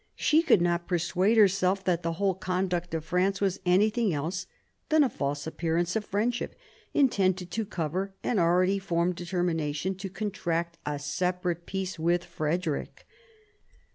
She could not persuade her self that the whole conduct of France was anything else than a false appearance of friendship, intended to cover an already formed determination to contract a separate peace with Frederick.